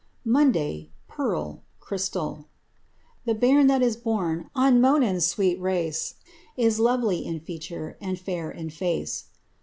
Monday: Pearl—crystal. The bairn that is born Of Monan's sweet race Is lovely in feature And fair in the face.